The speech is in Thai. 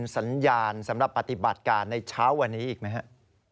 สัญญาณสำหรับปฏิบัติการในเช้าวันนี้อีกไหมครับ